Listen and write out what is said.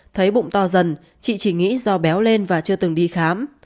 thấy bụng to dần chị chỉ nghĩ do béo lên và chưa từng đi khám